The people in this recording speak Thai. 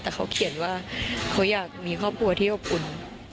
แต่เขาเขียนว่าเขาอยากมีครอบครัวที่อบอุ่น